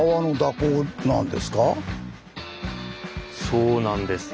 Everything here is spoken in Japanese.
そうなんです。